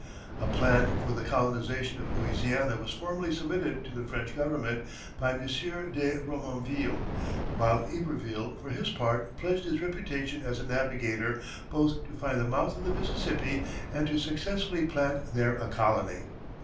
A plan for the colonization of Louisiana was formally submitted to the French Government by M. de Remonville, while Iberville for his part pledged his reputation as a navigator both to find the mouth of the Mississippi and to successfully plant there a colony.